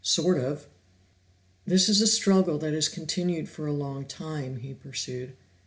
"Sort of." "This is a struggle that has continued for a long time," he pursued.